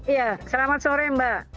iya selamat sore mbak